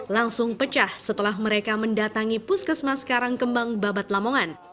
langsung pecah setelah mereka mendatangi puskesmas karangkembang babat lamongan